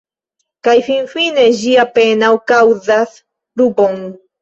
Kaj finfine ĝi apenaŭ kaŭzas rubon.